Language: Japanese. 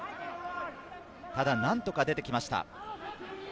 何とか出てきました。